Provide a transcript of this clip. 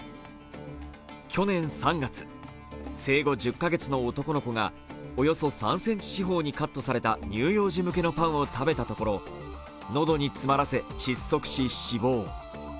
去年３月、生後１０カ月の男の子がおよそ３ｃｍ四方にカットされた乳幼児向けのパンを食べたところ、喉に詰まらせ、窒息し、死亡。